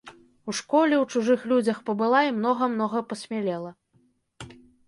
У школе, у чужых людзях пабыла і многа-многа пасмялела.